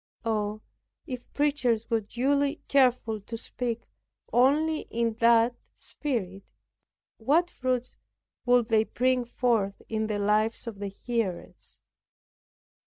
Oh, if preachers were duly careful to speak only in that spirit what fruits would they bring forth in the lives of the hearers!